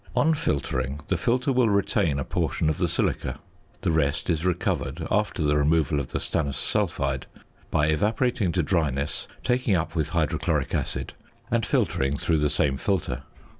On filtering, the filter will retain a portion of the silica. The rest is recovered, after the removal of the stannous sulphide, by evaporating to dryness, taking up with hydrochloric acid, and filtering through the same filter.